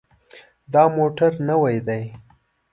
دا موټر نوی دی.